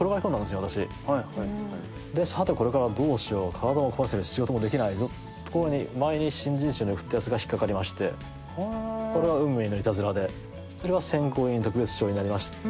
体も壊してるし仕事もできないぞってところに前に新人賞に送ったやつが引っ掛かりましてこれは運命のいたずらでそれは選考委員特別賞になりまして。